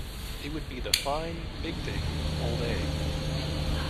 It would be the fine, big thing, old egg.